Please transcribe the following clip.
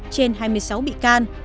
trên hai mươi sáu bị can